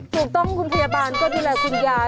ถูกต้องคุณพยาบาลก็ดูแลคุณยาย